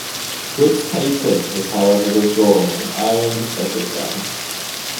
Wood's patent was however withdrawn, and Ireland settled down.